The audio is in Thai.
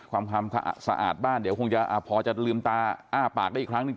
ความสะอาดบ้านเดี๋ยวคงจะพอจะลืมตาอ้าปากได้อีกครั้งหนึ่ง